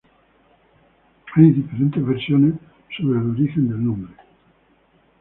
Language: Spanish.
Hay diferentes versiones acerca del origen del nombre.